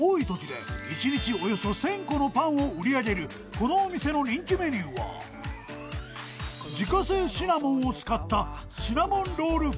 このお店の人気メニューは自家製シナモンを使った］